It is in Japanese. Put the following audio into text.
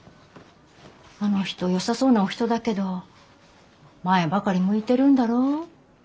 あの人よさそうなお人だけど前ばかり向いてるんだろう？